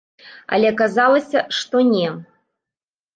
Але аказалася, што не.